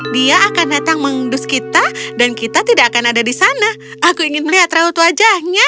dia akan datang mengendus kita dan kita tidak akan ada di sana aku ingin melihat raut wajahnya